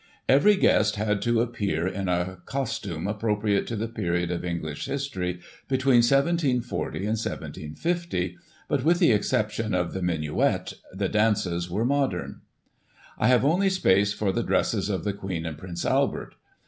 Every guest had to appear in a costume appropriate to the period of English history between 1740 and 1750 ; but, with the exception of the minuet, the dances were modern. I have only space for the dresses of the Queen and Prince Albert.